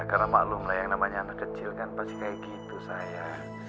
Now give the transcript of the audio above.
karena maklum lah yang namanya anak kecil kan pasti kayak gitu sayang